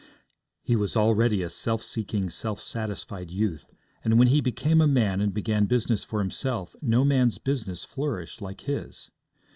He was already a self seeking, self satisfied youth; and when he became a man and began business for himself, no man's business flourished like his.